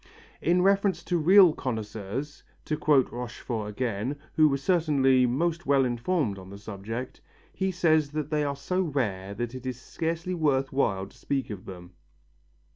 In reference to real connoisseurs, to quote Rochefort again, who was certainly most well informed on the subject, he says that they are so rare that it is scarcely worth while to speak of them.